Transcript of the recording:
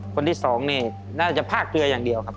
คนที่สองนี่น่าจะพากเรืออย่างเดียวครับ